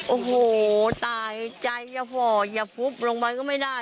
โอ้โหตายใจอย่าห่ออย่าฟุบลงไปก็ไม่ได้